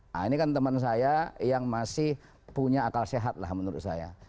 nah ini kan teman saya yang masih punya akal sehat lah menurut saya